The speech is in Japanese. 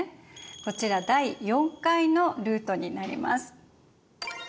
こちら第４回のルートになります。